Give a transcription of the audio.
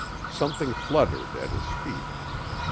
Something fluttered at his feet.